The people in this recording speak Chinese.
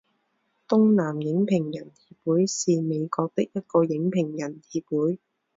东南影评人协会是美国的一个影评人协会。